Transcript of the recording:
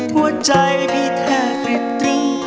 หัวใจพี่แทบติดถึง